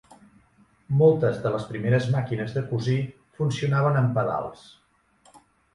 Moltes de les primeres màquines de cosir funcionaven amb pedals.